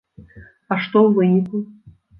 А што ў выніку?